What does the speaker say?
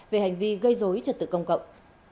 về hành vi gây dối trật tự công cộng